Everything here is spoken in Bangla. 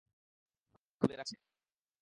তুলে রাখা আছে।